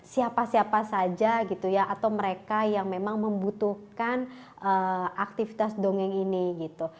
siapa siapa saja gitu ya atau mereka yang memang membutuhkan aktivitas dongeng ini gitu